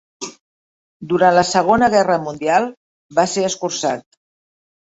Durant la Segona Guerra Mundial va ser escurçat.